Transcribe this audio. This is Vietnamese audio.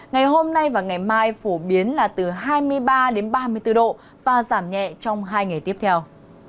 ngày hôm nay và ngày mai phổ biến là từ hai mươi ba đến ba mươi bốn độ và giảm nhẹ trong hai ngày tiếp theo